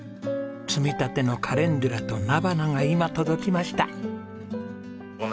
摘みたてのカレンデュラと菜花が今届きました。